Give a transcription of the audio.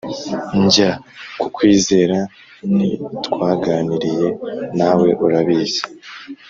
Njya kukwizera ntitwaganiriye nawe urabizi